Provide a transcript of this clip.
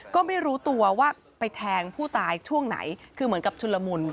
ก็ไม่รู้ตัวว่าไปแทงผู้ตายช่วงไหนคือเหมือนกับชุนละมุน